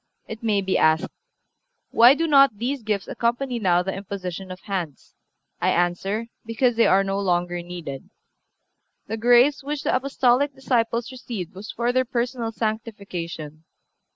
It may be asked: Why do not these gifts accompany now the imposition of hands? I answer: Because they are no longer needed. The grace which the Apostolic disciples received was for their personal sanctification.